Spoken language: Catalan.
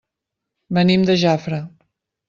Venim de Jafre.